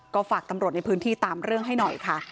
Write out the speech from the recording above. ก็ฝากตำรวจในพื้นที่ตามเรื่องให้หน่อยค่ะ